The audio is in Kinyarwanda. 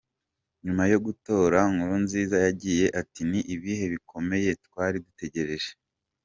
Nyuma yo gutora Nkurunziza yagize ati “Ni ibihe bikomeye twari dutegereje.